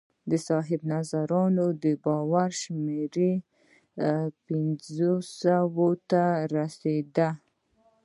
د صاحب نظرانو باور شمېر پنځو سوو ته رسېده